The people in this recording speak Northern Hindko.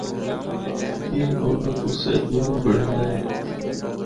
اے اُنّاں کو صحت مند بنڑیندا اے۔